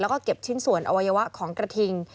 แล้วก็เก็บชิ้นส่วนอวัยวะของกระทิง